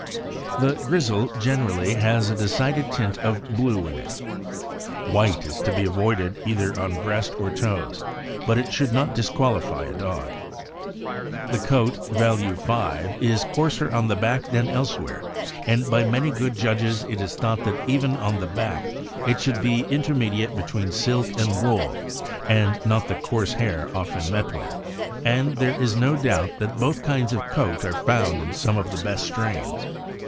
The grizzle generally has a decided tint of blue in it. White is to be avoided either on breast or toes, but it should not disqualify a dog. The coat (value 5) is coarser on the back than elsewhere, and by many good judges it is thought that even on the back it should be intermediate between silk and wool, and not the coarse hair often met with; and there is no doubt that both kinds of coat are found in some of the best strains.